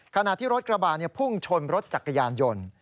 ขณะที่รถกระบาดพุ่งชนรถจักรยานยนต์